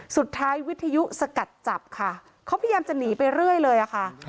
สุดท้ายวิทยุสกัดจับค่ะเขาพยายามจะหนีไปเรื่อยเลยค่ะ